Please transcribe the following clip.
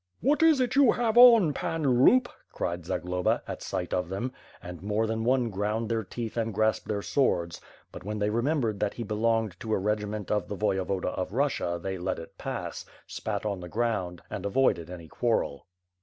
"What is it you have on, Pan Loop," cried Zagloba, at sight of them, and more than one ground their teeth and grasped their swords; but when they remembered that he belonged to a regiment of the Voyevoda of Russia they let it pass, spat on the ground, and avoided any quarrel.